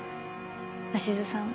鷲津さん